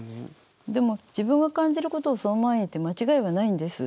でも自分が感じることをそのまま言って間違いはないんです。